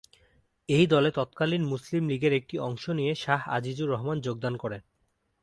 এই দলে তৎকালীন মুসলিম লীগের একটি অংশ নিয়ে শাহ আজিজুর রহমান যোগদান করেন।